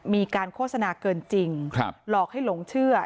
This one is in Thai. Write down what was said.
มีการโฆษณาเกินจริงหลอกให้หลงเชื่อ